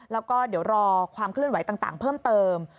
แล้วก็เดี๋ยวรอความเคลื่อนไหวต่างเพิ่มเติม